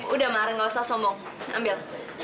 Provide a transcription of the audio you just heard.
udah marin gak usah sombong ambil